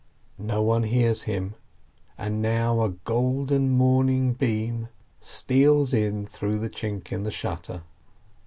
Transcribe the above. No one hears him, and now a golden morning beam steals in through the chink in the shutter.